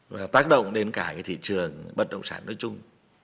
và tác động đến cả cái thị trường bất động sản nói chung